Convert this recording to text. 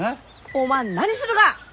おまん何するが！？